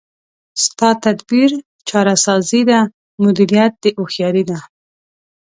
ستا تدبیر چاره سازي ده، مدیریت دی هوښیاري ده